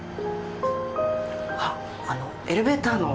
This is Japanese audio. あっあのエレベーターの。